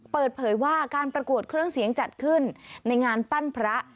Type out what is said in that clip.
เปิดเผยว่าการประกวดเครื่องเสียงจัดขึ้นในงานปั้นพระ